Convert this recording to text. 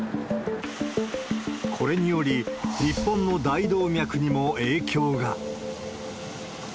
これにより、日本の大動脈にも影響が。